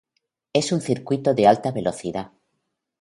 Es un circuito de alta velocidad.